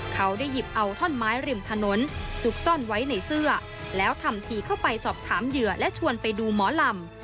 เขาได้หยิบเอาท่อนไม้ริมถนนซุกซ่อนไว้ในเสื้อแล้วทำทีเข้าไปสอบถามเหยื่อและชวนไปดูหมอลำ